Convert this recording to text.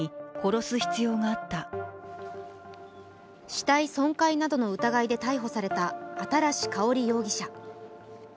死体損壊などの疑いで逮捕された新かほり容疑者。